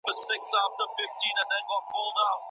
د بریا لاره یوازي لایقو کسانو ته نه سي ښودل کېدلای.